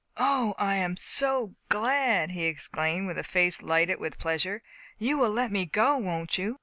"O, I am so glad!" he exclaimed, with a face lighted with pleasure; "you will let me go, won't you?"